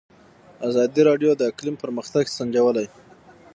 ازادي راډیو د اقلیم پرمختګ سنجولی.